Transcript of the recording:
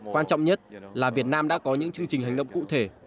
quan trọng nhất là việt nam đã có những chương trình hành động cụ thể